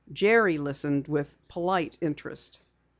Jerry listened with polite interest.